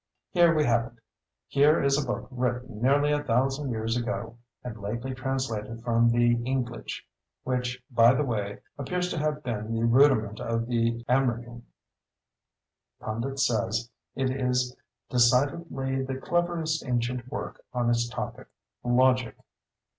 Ah, here we have it! Here is a book written nearly a thousand years ago and lately translated from the Inglitch—which, by the way, appears to have been the rudiment of the Amriccan. Pundit says it is decidedly the cleverest ancient work on its topic, Logic.